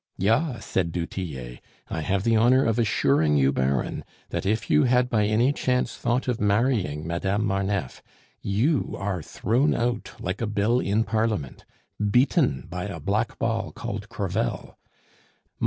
"Ya," said du Tillet; "I have the honor of assuring you, Baron, that if you had by any chance thought of marrying Madame Marneffe, you are thrown out like a bill in Parliament, beaten by a blackball called Crevel.